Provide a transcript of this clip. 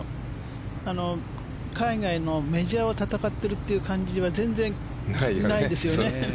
海外のメジャーを戦ってるという感じは全然ないですよね。